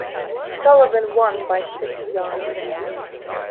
Sullivan won by six yards.